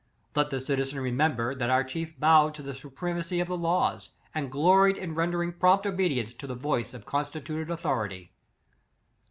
Let the citizen remem ber, that our chief bowed to the suprema cy of the laws, and gloried in rendering prompt obedience to the voice of consti tuted authority.